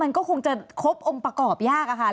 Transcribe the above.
มันก็คงจะครบองค์ประกอบยากอะค่ะ